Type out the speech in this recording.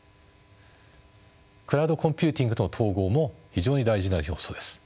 クラウドコンピューティングとの統合も非常に大事な要素です。